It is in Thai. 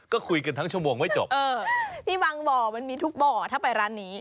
ก็คุยกันทั้งชั่วโมงไม่จบที่บางบ่อมันมีทุกบ่อถ้าไปร้านนี้